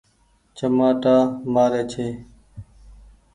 چمآٽآ مآري ڇي۔